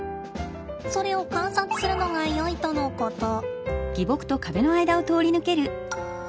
それを観察するのがよいとのこと。